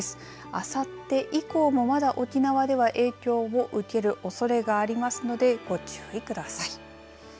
あさって以降もまだ沖縄では影響を受けるおそれがありますのでご注意ください。